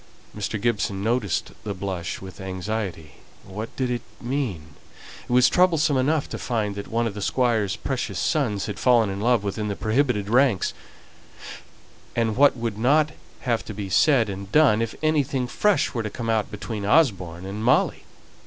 Mr. Gibson noticed the blush with anxiety. What did it mean? It was troublesome enough to find that one of the Squire's precious sons had fallen in love within the prohibited ranks; and what would not have to be said and done if anything fresh were to come out between Osborne and Molly?